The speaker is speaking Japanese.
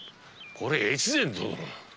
これ越前殿。